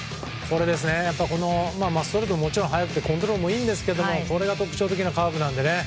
速度ももちろん速くてコントロールもいいんですがこれが特徴的なカーブでね。